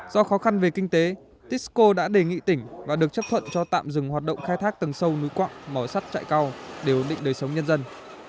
do khó khăn về kinh tế tisco đã đề nghị tỉnh và được chấp thuận cho tạm dừng hoạt động khai thác tầng sâu núi quặng mỏ sắt trại cao để ổn định đời sống nhân dân